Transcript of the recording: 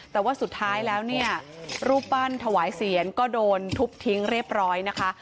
แต่ว่าสุดท้ายแล้วเนี่ยรูปปั้นถวายเสียงก็โดนทุบทิ้งเรียบร้อยนะคะ